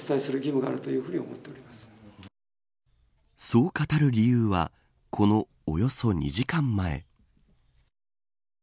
そう語る理由はこのおよそ２時間前。